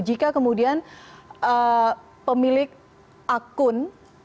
jika kemudian pemilik akun